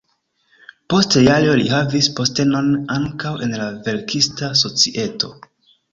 Post jaroj li havis postenon ankaŭ en la verkista societo.